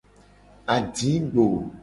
Adigbo.